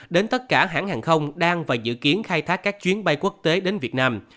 đến tất cả hãng hàng không đang và dự kiến khai thác các chuyến bay quốc tế đến việt nam